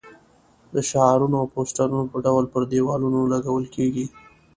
د شعارونو او پوسټرونو په ډول پر دېوالونو لګول کېږي.